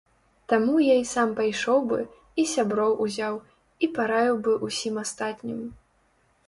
Таму я і сам пайшоў бы, і сяброў узяў і параіў бы ўсім астатнім.